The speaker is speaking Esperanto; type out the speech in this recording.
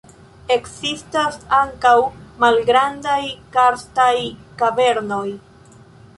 Ekzistas ankaŭ malgrandaj karstaj kavernoj.